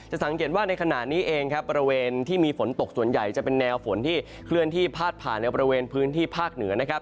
สังเกตว่าในขณะนี้เองครับบริเวณที่มีฝนตกส่วนใหญ่จะเป็นแนวฝนที่เคลื่อนที่พาดผ่านในบริเวณพื้นที่ภาคเหนือนะครับ